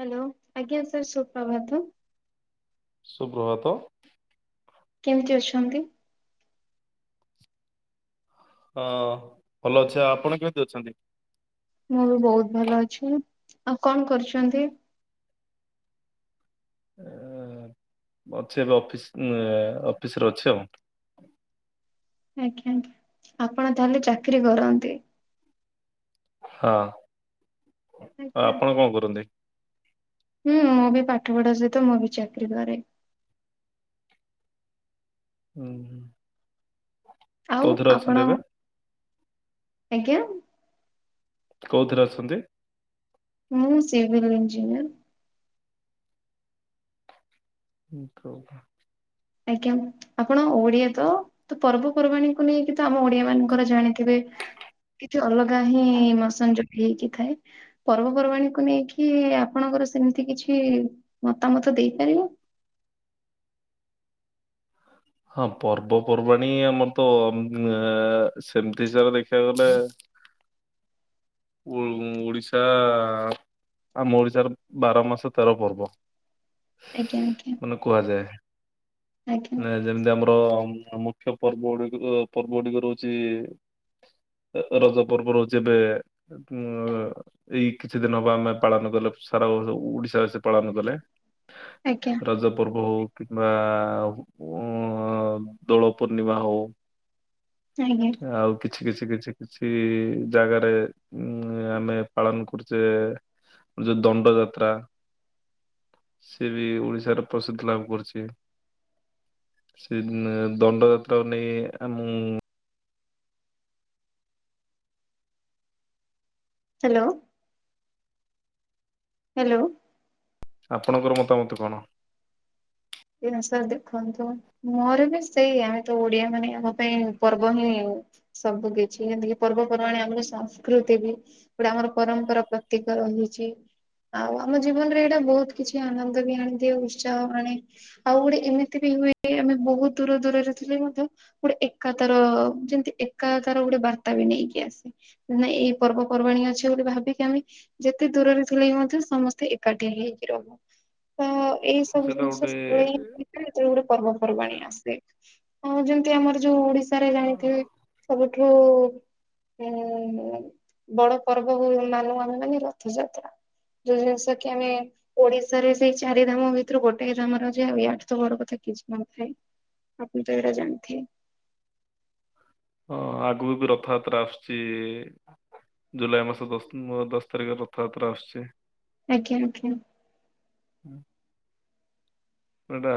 Hello ଆଜ୍ଞା sir ସୁୁପ୍ରଭାତ। ସୁପ୍ରଭାତ। କେମିତି ଅଛନ୍ତି? ଅ ଭଲ ଅଛି, ଆପଣ କେମିତି ଅଛନ୍ତି? ମୁଁ ବି ବହୁତ ଭଲ ଅଛି ଆଉ କଣ କରୁଛନ୍ତି? ଏ ଅଛି ଏବେ ଅଫିସ୍ ଅଫିସ୍ ଅଛି ଆଉ। ଆଜ୍ଞା ଆପଣ ତାହେଲେ ଚାକିରି କରନ୍ତି? ହଁ ଅଁ ଆଜ୍ଞା ଆପଣ କଣ କରନ୍ତି? ହୁଁ ମୁଁ ବି ପାଠପଢା ସହିତ ମୁଁ ବି ଚାକିରୀ କରେ। ଉଁ ହୁଁ। ଆଉ ଆପଣ ଆଜ୍ଞା। କୋଉଥିରେ ଅଛନ୍ତି? ମୁଁ ସିଭିଲ୍ ଇଞ୍ଜିନିୟର। ହ [inaudible] ଆଜ୍ଞା। ଆପଣ ଓଡିଆ ତ ପର୍ବପର୍ବାଣୀକୁ ନେଇକି ତ ଆମ ଓଡିଆ ମାନଙ୍କର ଜାଣିଥିବେ କିଛି ଅଲଗା ହିଁ ଇମୋସନ ଯୋଡି ହେଇକି ଥାଏ। ପର୍ବପର୍ବାଣୀକୁୁ ନେଇକି ଆପଣଙ୍କର ସେମିତି କିଛି ମତାମତ ଦେଇପାରିବେ? ହଁ ପର୍ବପର୍ବାଣୀ ଆମର ତ ଏଁ ସେମିତି ହିସାବ ରେ ଦେଖିବାକୁ ଗଲେ ଉଁ ଉଁ ଓଡ଼ିଶା ଆ ଆମ ଓଡିଶା ର ବାର ମାସ ତେର ପର୍ବ ଆଜ୍ଞା ଆଜ୍ଞା। ମାନେ କୁହାଯାଏ। ଆଜ୍ଞା ନେ ଯେମିତି ଆମର ମୁଖ୍ୟ ପର୍ବ ଗୁଡିକ ପର୍ବ ଗୁଡିକ ରହୁଛି ଇ ରଜ ପର୍ବ ରହୁଚି ଏବେ ଉଁ ଏଇ କିଛି ଦିନ ହବ ଆମେ ପାଳନ କଲେ ସାରାଓଡିଶାବାସୀ ସ ପାଳନ କଲେ। ଆଜ୍ଞା। ରଜ ପର୍ବ ହଉ କିମ୍ବା ଉ ଉଁ ଦୋଳ ପୂର୍ଣ୍ଣିମା ହଉ ଆଜ୍ଞା। ଆଉ କିଛି କିଛି କିଛି କିଛି ଇ ଜାଗାରେ ଉଁ ଆମେ ପାଳନ କରୁଚେ ଯେ ଦଣ୍ଡ ଯାତ୍ରା। ସେ ବି ଓଡ଼ିଶାରେ ପ୍ରସିଦ୍ଧି ଲାଭ କରିଚି। ସେ ଦଣ୍ଡ ଯାତ୍ରାକୁ ନେଇ ଆ ମୁଁ ହ୍ୟାଲୋ। ହ୍ୟାଲୋ। ଆପଣଙ୍କର ମତାମତ କଣ? ଏଆ ସାରେ ଦେଖନ୍ତୁ? ମୋର ବି ସେଇଆ ତ ଓଡିଆ ମାନେ ଆମ ପାଇଁ ପର୍ବ ହିଁ ସବୁ କିଛି ଏମିତିକି ପର୍ବପର୍ବାଣି ଆମର ସଂସ୍କୃତି ବି ଗୁଡ଼ା ଆମର ପରମ୍ପରା ପ୍ରତୀକ ହୋଇଛି। ଆଉ ଆମ ଜୀବନ ରେ ଏଇଟା ବହୁତ କିଛି ଆନନ୍ଦ ବି ଆଣିଦିଏ ଉତ୍ସାହ ଆଣେ। ଆଉ ଗୋଟେ ଏମିତି ବି ହୁଏ ଆମେ ବହୁତ ଦୂର ଦୂରରେ ଥିଲେ ମଧ୍ୟ ଗୋଟେ ଏକା ତାର ଯେମତି ଏକା ତାର ଗୋଟେ ବାର୍ତ୍ତା ବି ନେଇକି ଆସେ। ନା ଏଇ ପର୍ବପର୍ବାଣୀ ଅଛି ବୋଲି ଭାବିକି ଆମେ ଯେତେ ଦୂରରେ ଥିଲେ ହି ମଧ୍ୟ ସମସ୍ତେ ଏକାଠି ହେଇକି ରହୁ। ତ ଏଇ ସବୁ ସେଇଟା ଜିନିଷ ଗୋଟେ [unintelligible] ପର୍ବପର୍ବାଣୀ ଆସେ ଆଉ ଯେମିତି ଆମର ଯୋଉ ଓଡିଶି ସାରେ ଜାଣିଥିବେ ସବୁଠୁ ହଁ ବଡ ପର୍ବ ମାନୁ ଆମେ ମାନେ ରଥଯାତ୍ରା। ଯୋଉ ଜିନିଷ କି ଆମେ ଓଡିଶାରେ ସେଇ ଚାରି ଧାମ ଭିତରୁ ଗୋଟେ ଧାମ ର ଯାଏ ଆଠୁ ତ ଘର କଥା କିଛି ନଥାଏ ଆପଣ ତ ଏରା ଜାଣିଥିବେ। ହଁ ଆଗୁକୁ ବି ରଥଯାତ୍ରା ଆସୁଛି ଜୁଲାଇ ମାସ ଦଶ ଅଁ ଦଶ ତାରିଖ ରଥଯାତ୍ରା ଆସୁଛି ଆଜ୍ଞା ଆଜ୍ଞା। ଏଇଟା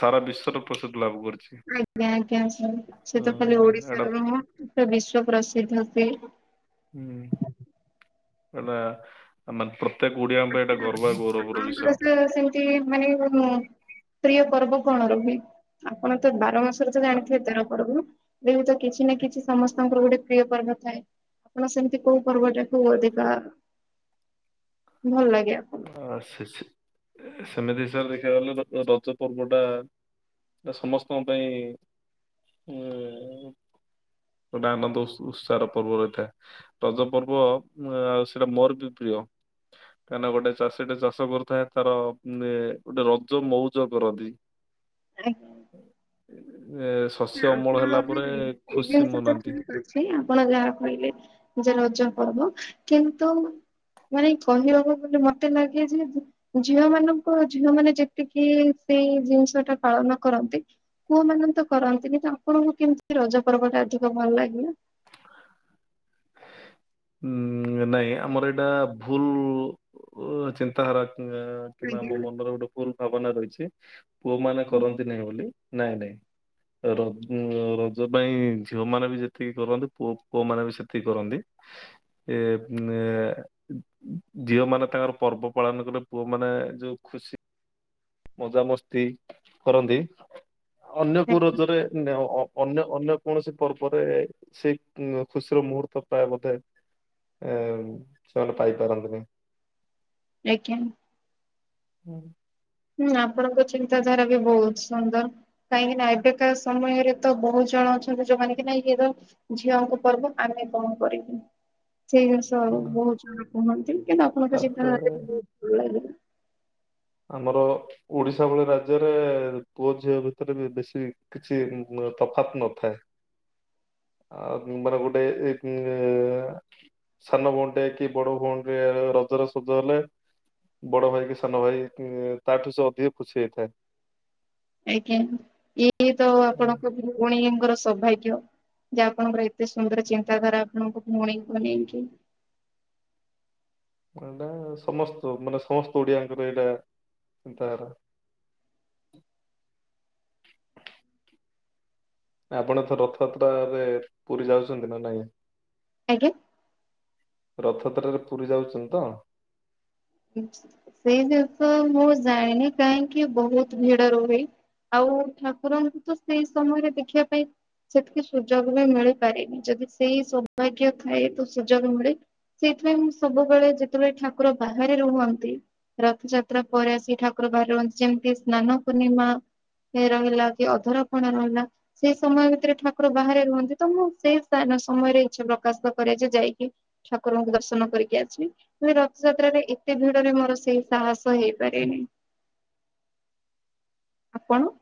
ସାରା ବିଶ୍ଵରେ ପ୍ରସ୍ତୁତି ଲାଭ କରିଛି। ଆଜ୍ଞା ଆଜ୍ଞା ସ ସେ ଅ, ତ ଖାଲି ଏଇଟା ଓଡିଶାର ନୁହଁ ସେ ବିଶ୍ଵ ପ୍ରସିଦ୍ଧ୍ୟ ସେ। ହୁଁ ଏଟା ମାତ୍ର ତେକେ ଓଡିଆ ଙ୍କ ପାଇଁ ଏଇଟା ଗର୍ବ ଆଉ ଗୌରବର ବିଷୟ। ତେ ମାନେ ଉଁ ପ୍ରିୟ ପର୍ବ କଣ ରୁହେ? ଆପଣ ତ ବାର ମାସରେ ତ ଜାଣିଥିବେ ତେର ପର୍ବ ଦେହୁଚ କିଛି ନା କିଛି ସମସ୍ତଙ୍କର ଗୋଟେ ପ୍ରିୟ ପର୍ବ ଥାଏ ସେମିତି କୋଉ ପର୍ବଟା କୁ ଅଧିକା ଭଲ ଲାଗେ ଆ ଆ ସେ ସେ ସେମିତି ତ ଦେଖିବାକୁ ଗଲେ ରଜ ପର୍ବଟା ସମସ୍ତଙ୍କ ପାଇଁ ଏଁ ଗୋଟେ ଆନନ୍ଦ ଉତ୍ସ ଉତ୍ସାହର ପର୍ବ ରହିଥାଏ। ରଜ ପର୍ବ ଆଉ ସେଇଟା ମୋର ବି ପ୍ରିୟ। କାହିଁନା ଗୋଟେ ଚାଷୀ ଟେ ଚାଷ କରୁଥାଏ ତାର ଏ ଗୋଟେ ରଜ ମଉଜ କରନ୍ତି ଆପଣ? ଏ ନା, ଶସ୍ୟ ଅମଳ ହେଲା ପରେ ଖୁସି ମନାନ୍ତି। ସେଇ ଆପଣ ଯା କହିଲେ ଯେ ରଜ ପର୍ବ କିନ୍ତୁ ମାନେ କହିବାକୁ ମତେ ଲାଗେ ଯେ ଝିଅ ମାନଙ୍କ ଝିଅ ମାନେ ଯେତିକି ସେଇ ଜିନିଷ ଟା ପାଳନ କରନ୍ତି ପୁଅ ମାନେ ତ କରନ୍ତିନି ତାଙ୍କର କେମିତି ରଜ ପର୍ବ ଟା ଅଧିକ ଭଲ ଲାଗେ ଉଁ ନାଇଁ ଆମର ଏଇଟା ଭୁଲ୍ ଅ ଚିନ୍ତାଧାରା ଏଁ। କିମ୍ବା ଆଜ୍ଞା ଆମ ମନରେ ଗୋଟେ ଭୁଲ୍ ଭାବନା ରହିଛି ପୁଅ ମାନେ କରନ୍ତି ନାଇଁ ବୋଲି ନାଇଁ ନାଇଁ। ର ଉଁ ରଜ ପାଇଁ ଝିଅମାନେ ବି ଯେତିକି କରନ୍ତି ପୁ ପୁଅମାନେ ବି ସେତିକି କରନ୍ତି। ଏ [inaudible] ଝିଅ ମାନେ ତାଙ୍କର ପର୍ବ ପାଳନ କଲେ ପୁଅ ମାନେ ଯୋଉ ଖୁସି ମଜାମସ୍ତି କରନ୍ତି ଅନ୍ୟ କୋଉ ଆଜ୍ଞା ରଜରେ ଏମିତି ଅ ଅନ୍ୟ ଅନ୍ୟ କୌଣସି ପର୍ବରେ ସେଇ ଉଁ ଖୁସିର ମୁହୂର୍ତ୍ତ ପ୍ରାୟ ବୋଧେ ଏ ସେମାନେ ପାଇ ପାରନ୍ତିନି। ଆଜ୍ଞା। ହୁଁ। ହୁଁ ଆପଣଙ୍କ ଚିନ୍ତାଧାରା ବି ବହୁତ୍ ସୁନ୍ଦର। କାହିଁକି ନା ଏବେକା ସମୟରେ ତ ବହୁତ୍ ଜଣ ଅଛନ୍ତି ଯୋଉମାନେ କି ନା ଇଏ ତ ଝିଅଙ୍କ ପର୍ବ ଆମେ କଣ କରିବୁ ସେଇ ତ ହୁଁ। ବହୁତ୍ ଜଣ କୁହନ୍ତି କିନ୍ତୁ ଆପଣଙ୍କ ତାପରେ ଚିନ୍ତା ଧାରା ବହୁତ୍ ଭଲ ଲାଗିଲା। ଆମର ଓଡିଶା ଭଳି ରାଜ୍ୟରେ ପୁଅ ଝିଅ ଭିତରେ ବି ବେଶୀ କିଛି ତଫାତ୍ ନଥାଏ। ଆଉ ମାନେ ଗୋଟାଏ [unintelligible] ସାନ ଭଉଣୀ ଟେ କି ବଡ ଭଉଣୀ ଟେ ରଜରେ ସଜ ହେଲେ ବଡ ଭାଇ କି ସାନ ଭାଇ ଉ ଏ ତାଠୁ ସେ ଅଧିକ ଖୁସି ହେଇଥାଏ। ଆଜ୍ଞା ଇଏ ତ ଆପଣଙ୍କ ଭଉଣୀଙ୍କର ସୌଭାଗ୍ୟ। ଯେ ଆପଣଙ୍କର ଏତେ ସୁନ୍ଦର ଚିନ୍ତାଧାରା ଆପଣଙ୍କ ଭୁଉଣୀକୁ ନେଇକି। ଏଇଟା ସମସ୍ତ ମାନେ ସମସ୍ତ ଓଡ଼ିଆଙ୍କର ଏଇଟା ଚିନ୍ତାଧାରା। ଆପଣ ଏଥର ରଥଯାତ୍ରା ରେ ପୁରୀ ଯାଉଚନ୍ତି ନା ନାଇଁ? ଆଜ୍ଞା। ରଥ ଯାତ୍ରାରେ ପୁରୀ ଯାଉଛନ୍ତି ତ? ସେଇଟା ତ ମୁଁ ଜାଣିନି କାହିଁକି ବହୁତ୍ ଭିଡ ରୁହେ। ଆଉ ଠାକୁରଙ୍କୁ ତ ସେଇ ସମୟରେ ଦେଖିବା ପାଇଁ। ସେତିକି ସୁଯୋଗ ବି ମିଳିପାରେନି ଯଦି ସେଇ ସୌଭାଗ୍ୟ ଥାଏ ତ ସୁଯୋଗ ମିଳେ। ସେଇଥିପାଇଁ ମୁଁ ସବୁବେଳେ ଯେତେବେଳେ ଠାକୁର ବାହାରେ ରୁହନ୍ତି। ରଥଯାତ୍ରା ପରେ ଆସି ଠାକୁର ବାହାରେ ରୁହନ୍ତି ଯେମିତି ସ୍ନାନ ପୂର୍ଣ୍ଣିମା। କେ ରହିଲା କି ଅଧର କଣ ରହିଲା। ସେଇ ସମୟ ଭିତରେ ଠାକୁର ବାହାରେ ରୁହନ୍ତି ତ ମୁଁ ସେ ସ୍ନାନ ସମୟରେ ଇଚ୍ଛା ପ୍ରକାଶ କରେ ଯେ ଯାଇକି। ଠାକୁରଙ୍କୁ ଦର୍ଶନ କରିକି ଆସିବି ତେବେ ର ଥ ଯାତ୍ରାରେ ଏତେ ଭିଡରେ ମୋର ସେଇ ସାହସ ହେଇପାରେନି। ଆପଣ?